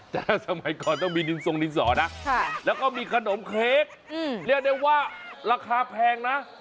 แต่สมัยก่อนต้องมีดินทรงดินสอนะแล้วก็มีขนมเค้กเรียกได้ว่าราคาแพงนะ